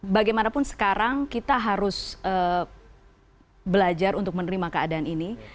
bagaimanapun sekarang kita harus belajar untuk menerima keadaan ini